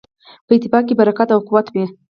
په اتفاق کې برکت او قوت وي.